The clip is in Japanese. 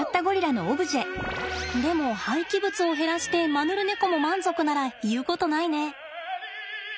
でも廃棄物を減らしてマヌルネコも満足ならいうことないね。